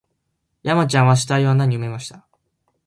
山ちゃんは死体を穴に埋めました